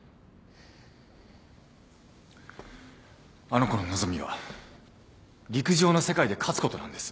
あの子の望みは陸上の世界で勝つことなんです。